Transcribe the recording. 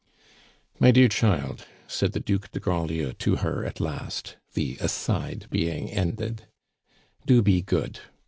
"My dear child," said the Duc de Grandlieu to her at last, the aside being ended, "do be good!